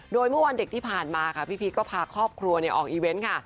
โดยเมื่อวันเด็กที่ผ่านมาค่ะพี่พีชก็พาครอบครัวออกอีเวนต์ค่ะ